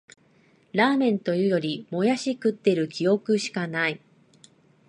ラーメンというより、もやし食ってる記憶しかない